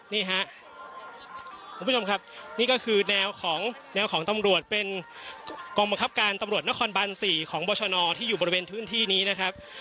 นี่ครับคุณผู้ชมครับนี่ก็คือแนวของแนวของตำรวจเป็นกองบังคับการตำรวจนครบัน๔ของบชนที่อยู่บริเวณพื้นที่นี้นะครับ